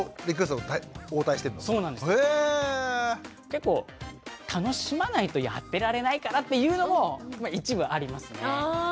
結構楽しまないとやってられないからっていうのもまあ一部ありますね。